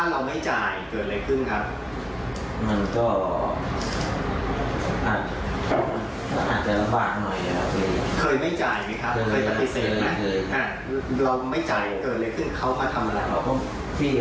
ว่าเดี๋ยวเอาคนมาแกล้งนี่อะไรอย่างเงี้ยครับเขาก็มี